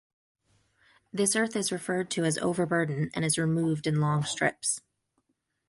This earth is referred to as overburden and is removed in long strips.